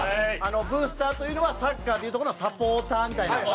ブースターというのはサッカーでいうところのサポーターみたいな。